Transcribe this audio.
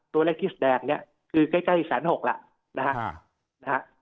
ตัวเลขคิดแดงเนี่ยคือใกล้ใกล้สันหกละนะฮะนะฮะ